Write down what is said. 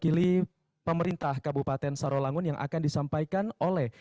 kita akan mendengarkan sambutan mewakili pemerintah kabupaten sarawangun yang akan disampaikan oleh